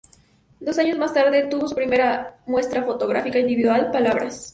Dos años más tarde, tuvo su primera muestra fotográfica individual, "Palabras".